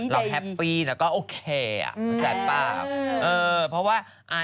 แล้วฉันจะเท่าไหร่